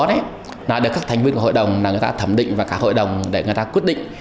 là để các thành viên của hội đồng thẩm định và cả hội đồng để người ta quyết định